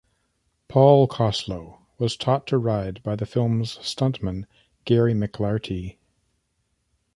Paul Koslo was taught to ride by the film's stuntman Gary McLarty.